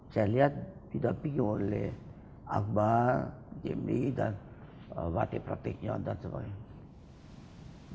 saya lihat tidak pikir oleh akbar jim lee dan wate wate kion dan sebagainya